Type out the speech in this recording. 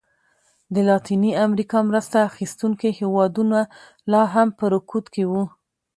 د لاتینې امریکا مرسته اخیستونکي هېوادونه لا هم په رکود کې وو.